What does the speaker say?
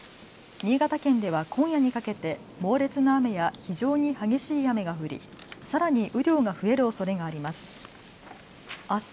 新潟県では今夜にかけて猛烈な雨や非常に激しい雨が降りさらに雨量が増えるおそれがあります。